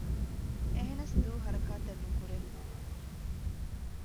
އެހެނަސް ދޫ ހަރަކާތެއްނުކުރޭ